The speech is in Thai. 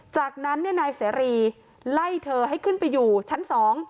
จากนั้นนายเสรีไล่เธอให้ขึ้นไปอยู่ชั้น๒